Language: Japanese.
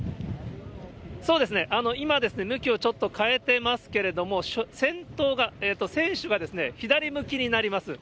そうですね、今、向きをちょっと変えてますけれども、船首が左向きになります。